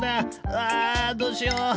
うわどうしよう！